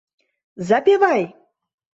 — Запевай!..